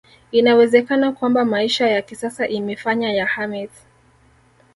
Inawezekana kwamba maisha ya kisasa imefanya ya hermits